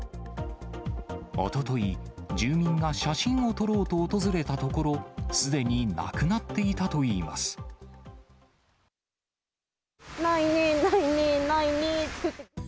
おととい、住民が写真を撮ろうと訪れたところ、すでになくなっていたといいないねー、ないねー、ないねーって。